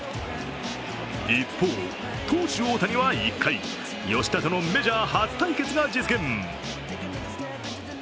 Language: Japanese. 一方、投手・大谷は１回、吉田とのメジャー初対決が実現。